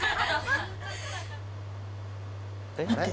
待って。